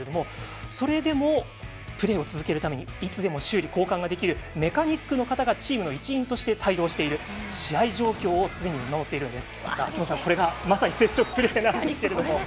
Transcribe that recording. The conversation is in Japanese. それでも、プレーを続けるためにいつでも修理交換ができるメカニックの方がチームの一員として試合状況を見守っているんです。